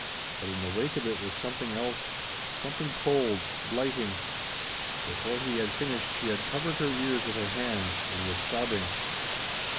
But in the wake of it was something else something cold, blighting. Before he had finished she had covered her ears with her hands, and was sobbing.